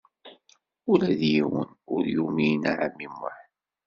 Ula d yiwen ur yumin ɛemmi Muḥ.